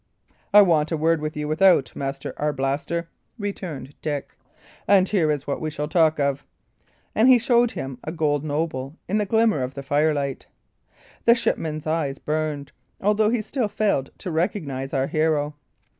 "I want a word with you without, Master Arblaster," returned Dick; "and here is what we shall talk of." And he showed him a gold noble in the glimmer of the firelight. The shipman's eyes burned, although he still failed to recognise our hero.